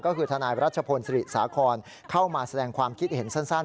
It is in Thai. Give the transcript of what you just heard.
ก็คือทนายรัชพลศิริสาครเข้ามาแสดงความคิดเห็นสั้น